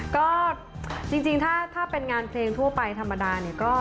ก็จริงถ้าเป็นงานเพลงทั่วไปธรรมดา